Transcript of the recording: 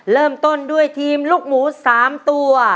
เริ่มต้นด้วยทีมลูกหมู๓ตัว